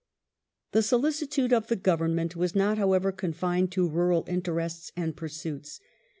Factory The solicitude of the Government was not, however, confined to rural interests and pursuits.